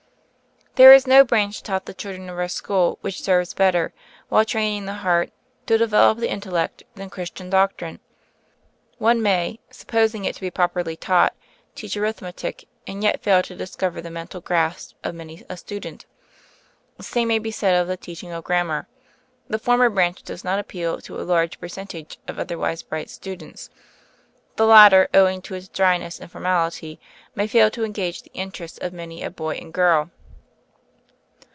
There is no branch taught the children of our schools which serves better, while training the heart, to develop the intellect, than Christian Doctrine. One may — supposing it to be properly taught — teach Arithmetic, and yet fail to discover the mental grasp of many a student. The same may be faid of the teaching of Grammar. The former branch does not appeal to a large percentage of otherwise bright students; the latter, owing to its dryness and formality, may fail to en gage the interest of many a boy and girl.